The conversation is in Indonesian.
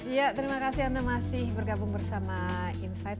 ya terima kasih anda masih bergabung bersama insight